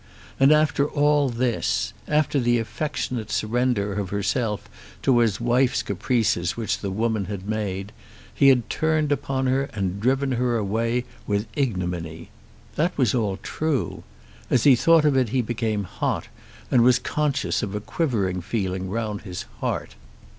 And after all this, after the affectionate surrender of herself to his wife's caprices which the woman had made, he had turned upon her and driven her away with ignominy. That was all true. As he thought of it he became hot, and was conscious of a quivering feeling round his heart.